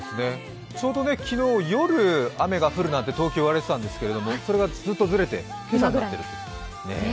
ちょうど昨日、夜雨が降るなんて東京は言われていたんですけど、それがずっとずれて今朝になっていると。